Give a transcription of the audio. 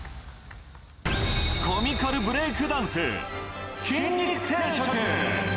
コミカルブレイクダンス、筋肉定食。